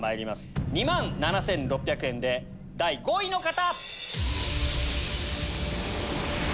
２万７６００円で第５位の方！